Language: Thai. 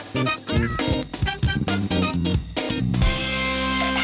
สวัสดีค่ะ